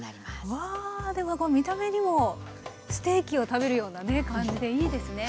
わあ見た目にもステーキを食べるような感じでいいですね！